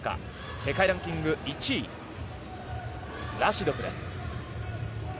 世界ランキング１位ラシドフです。